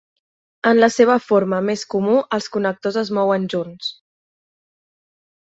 En la seva forma més comú els connectors es mouen junts.